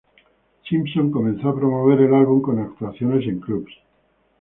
Simpson comenzó a promover el álbum con actuaciones en clubs.